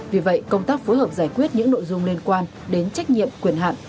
vì vậy công tác phối hợp giải quyết những nội dung liên quan đến trách nhiệm quyền hạn